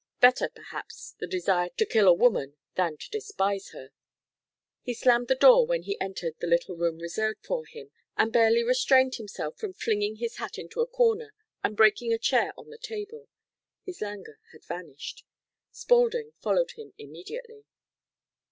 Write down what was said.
Better, perhaps, the desire to kill a woman than to despise her He slammed the door when he entered the little room reserved for him, and barely restrained himself from flinging his hat into a corner and breaking a chair on the table. His languor had vanished. Spaulding followed him immediately.